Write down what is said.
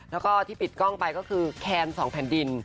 แล้วก็ที่ปิดกล้องไปก็คือแคน๒แผ่นดิน